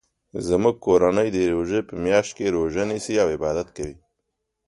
زموږ کورنۍ د روژی په میاشت کې روژه نیسي او عبادت کوي